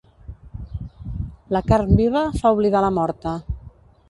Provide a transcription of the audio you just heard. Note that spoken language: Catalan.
La carn viva fa oblidar la morta.